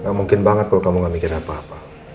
nggak mungkin banget kalau kamu nggak mikirin apa apa